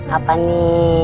terus apa nih